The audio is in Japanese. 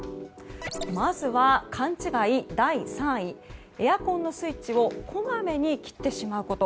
まずは、勘違い第３位エアコンのスイッチをこまめに切ってしまうこと。